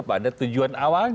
ada tujuan awalnya